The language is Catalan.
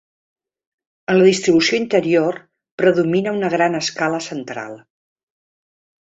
En la distribució interior predomina una gran escala central.